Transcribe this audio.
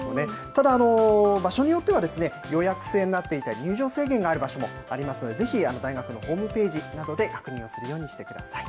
ただ、場所によっては、予約制になっていたり、入場制限のある場所もありますので、ぜひ大学のホームページなどで、確認をするようにしてください。